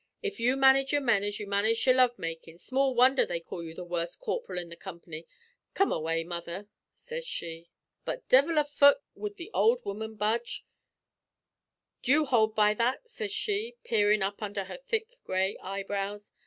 If you manage your men as you manage your love makin', small wondher they call you the worst corp'ril in the comp'ny. Come away, mother,' sez she. "But divil a fut would the ould woman budge! 'D'you hould by that?' sez she, peerin' up under her thick gray eyebrows.